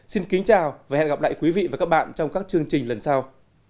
xin kính chào và hẹn gặp lại quý vị và các bạn trong các chương trình lần sau